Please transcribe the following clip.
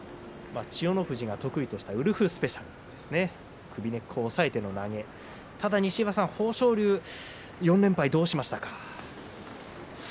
千代の富士が得意としたウルフスペシャル、首根っこを押さえての投げただ西岩さん、豊昇龍４連敗どうしましたか。